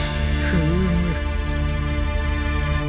フーム。